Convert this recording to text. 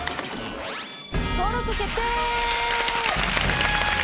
登録決定！